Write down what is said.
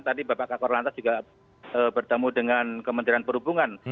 tadi bapak kakor lantas juga bertemu dengan kementerian perhubungan